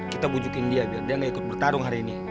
kita bujukin dia biar dia gak ikut bertarung hari ini